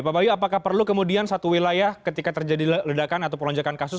pak bayu apakah perlu kemudian satu wilayah ketika terjadi ledakan atau pelonjakan kasus